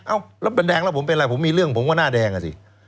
แล้วเป็นแดงแล้วผมเป็นอะไรผมมีเรื่องผมก็หน้าแดงอ่ะสิ